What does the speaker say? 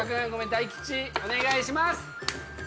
大吉お願いします！